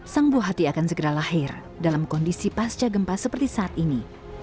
sang buah hati akan segera lahir dalam kondisi pasca gempa seperti saat ini